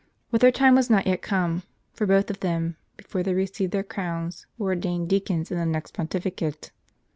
* But their time was not yet come ; for both of them, before they received their crowns, were ordained deacons in the next pontificate.